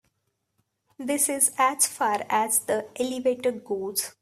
This is as far as the elevator goes.